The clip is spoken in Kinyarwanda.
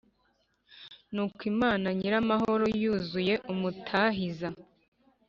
Nuko Imana nyir amahoro yazuye Umutahiza